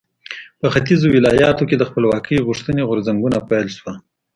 په ختیځو ولایاتو کې د خپلواکۍ غوښتنې غورځنګونو پیل شو.